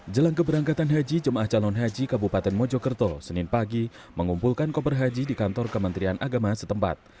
jelang keberangkatan haji jemaah calon haji kabupaten mojokerto senin pagi mengumpulkan koper haji di kantor kementerian agama setempat